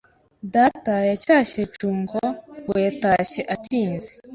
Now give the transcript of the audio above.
Data yacyashye Junko ngo yatashye atinze.